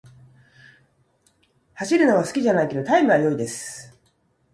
走るのは好きじゃないけど、タイムは良いです。